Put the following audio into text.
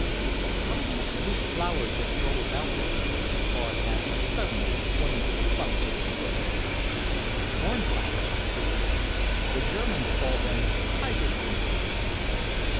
"What are these blue flowers that grow about everywhere?" Claude asked suddenly, pointing to a clump with his foot. "Cornflowers," said the other. "The Germans call them Kaiser blumen."